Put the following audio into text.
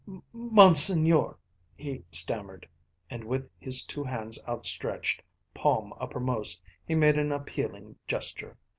"Monseigneur " he stammered, and with his two hands outstretched, palm uppermost, he made an appealing gesture.